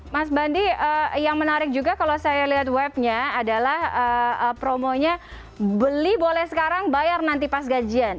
mas bandi yang menarik juga kalau saya lihat webnya adalah promonya beli boleh sekarang bayar nanti pas gajian